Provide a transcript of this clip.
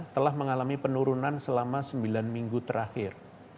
telah mengalami penurunan selama sembilan minggu terakhir